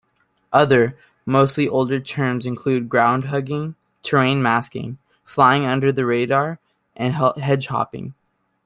Other, mostly older terms include "ground-hugging", "terrain masking", "flying under the radar" and "hedgehopping".